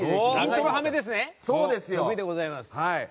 得意でございます。